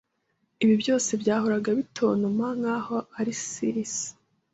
Ibi byose byahoraga bitontoma nkaho ari seis